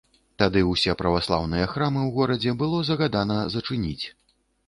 Тады ўсе праваслаўныя храмы ў горадзе было загадана зачыніць.